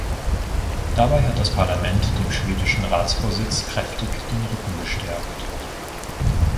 Dabei hat das Parlament dem schwedischen Ratsvorsitz kräftig den Rücken gestärkt.